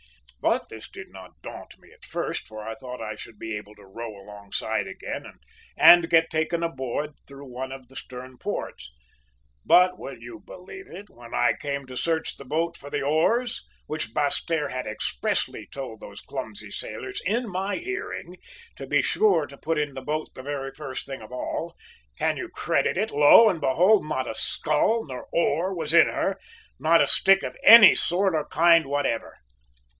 "But this did not daunt me at first, for I thought I should be able to row alongside again and get taken aboard through one of the stern ports; but, will you believe it, when I came to search the boat for the oars, which Basseterre had expressly told those clumsy sailors in my hearing to be sure to put into the boat the very first thing of all, can you credit it? lo and behold, not a scull nor oar was in her; not a stick of any sort or kind whatever!"